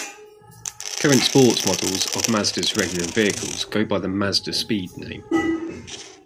Current sports models of Mazda's regular vehicles go by the Mazdaspeed name.